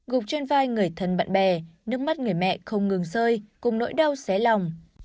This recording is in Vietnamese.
gục trên vai người thân bạn bè nước mắt người mẹ không ngừng rơi cùng nỗi đau xé lòng